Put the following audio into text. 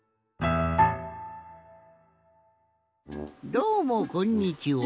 どうもこんにちは。